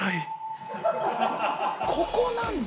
ここなんだ。